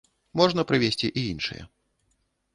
Можна прывесці і іншыя.